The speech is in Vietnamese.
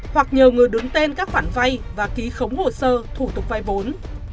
hoặc nhờ người đứng tên các khoản vay và ký khống hồ sơ thủ tục vay vốn